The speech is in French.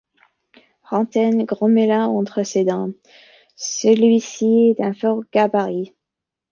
Rantaine grommela entre ses dents :— Celui-ci est d’un fort gabarit.